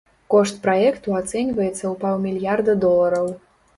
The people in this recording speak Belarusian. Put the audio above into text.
Кошт праекту ацэньваецца ў паўмільярда долараў.